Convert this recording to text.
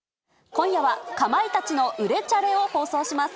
今夜は、かまいたちの売れチャレを放送します。